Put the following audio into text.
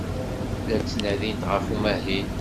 La ttnadint ɣef umahil.